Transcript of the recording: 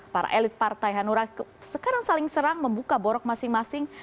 karena elit partai hanura sekarang saling serang membuka borok masing masing